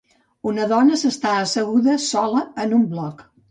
Una dona s'està asseguda sola en un bloc.